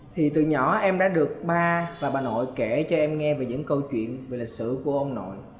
thì từ nhỏ em đã được ba và bà nội kể cho em nghe về những câu chuyện về lịch sử của ông nội